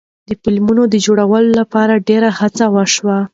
د فلم جوړولو لپاره ډیرې هڅې وشوې.